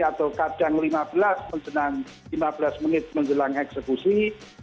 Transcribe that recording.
atau kadang lima belas menjelang eksekusi